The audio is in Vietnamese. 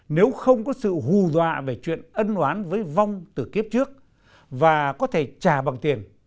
nếu không có sự hù dọa về chuyện ân oán với vong từ kiếp trước và có thể trả bằng tiền